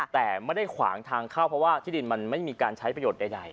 แต่ไม่ได้ขวางทางเข้าเพราะว่าที่ดินมันไม่มีการใช้ประโยชน์ใด